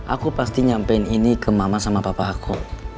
aku pasti nyampein ini ke mama sama papa aku